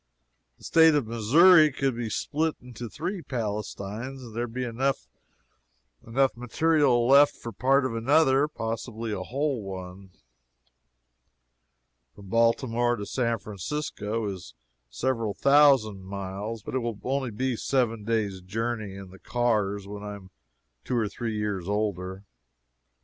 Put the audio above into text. The State of Missouri could be split into three Palestines, and there would then be enough material left for part of another possibly a whole one. From Baltimore to San Francisco is several thousand miles, but it will be only a seven days' journey in the cars when I am two or three years older.